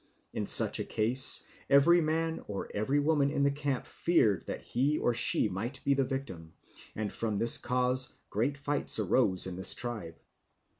In such a case every man or every woman in the camp feared that he or she might be the victim, and from this cause great fights arose in this tribe.